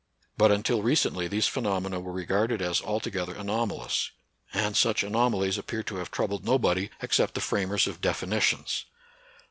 But, until recently, these phenomena were regarded as altogether anomalous ; and such anomalies appear to have troubled no body, except the framers of definitions.